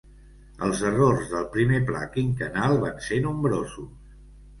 Els errors del primer pla quinquennal van ser nombrosos.